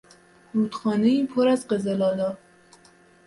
رودخانهای پر از قزلآلا